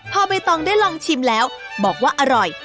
พอใบตองได้ลองชิมแล้วบอกว่าอร่อย